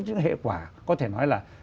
những hệ quả có thể nói là